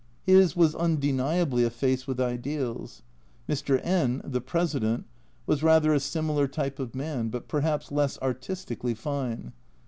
His was undeniably a face with ideals. Mr. N , the President, was rather a similar type of man, but perhaps less artistically fine.